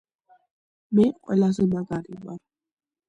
მე ყველაზე მაგარი ვარ